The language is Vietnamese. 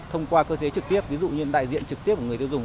thông qua cơ chế trực tiếp ví dụ như đại diện trực tiếp của người tiêu dùng